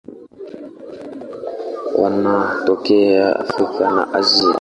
Wanatokea Afrika na Asia.